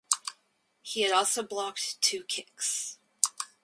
He also had two blocked kicks.